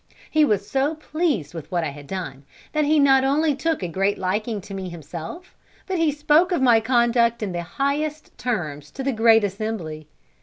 He was so pleased with what I had done, that he not only took a great liking to me himself, but he spoke of my conduct in the highest terms to the great assembly.